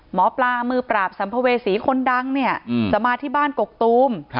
หมอปลามือปราบสัมภเวษีคนดังเนี่ยจะมาที่บ้านกกตูม